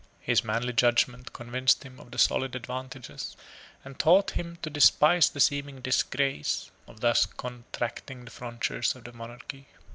22 His manly judgment convinced him of the solid advantages, and taught him to despise the seeming disgrace, of thus contracting the frontiers of the monarchy.